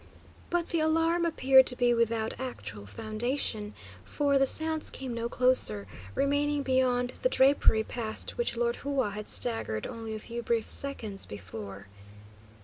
But the alarm appeared to be without actual foundation, for the sounds came no closer, remaining beyond the drapery past which Lord Hua had staggered only a few brief seconds before.